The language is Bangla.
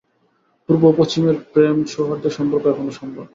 পূর্ব ও পশ্চিমের মধ্যে প্রেম ও সৌহার্দ্যের সম্পর্ক এখনও সম্ভব।